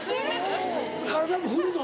体も振るの？